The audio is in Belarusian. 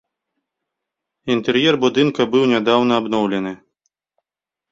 Інтэр'ер будынка быў нядаўна абноўлены.